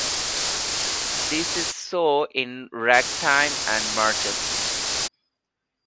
This is so in ragtime and marches.